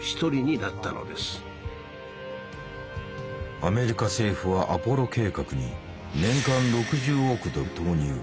アメリカ政府はアポロ計画に年間６０億ドル投入。